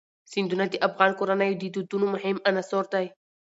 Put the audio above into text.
سیندونه د افغان کورنیو د دودونو مهم عنصر دی.